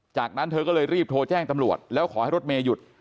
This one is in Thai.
จากนั้นเธอก็เลยรีบโทรแจ้งตำรวจแล้วขอให้รถเมย์หยุด